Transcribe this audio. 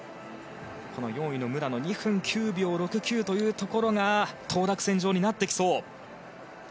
この４位の武良の２分９秒６９というところが当落線上になってきそう。